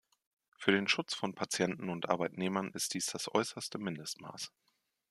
Für den Schutz von Patienten und Arbeitnehmern ist dies das äußerste Mindestmaß.